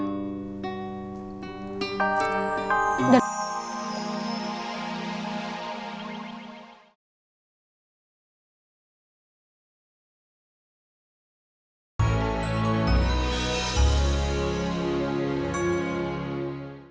dan kita harus berhati hati